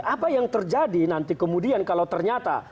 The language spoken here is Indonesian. apa yang terjadi nanti kemudian kalau ternyata